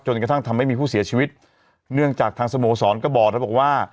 กระทั่งทำให้มีผู้เสียชีวิตเนื่องจากทางสโมสรก็บอกแล้วบอกว่า